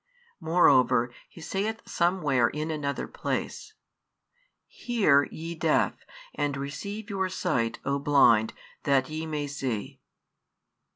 Moreover he saith somewhere in another place: Hear, ye deaf; and receive your sight O blind, that ye may see.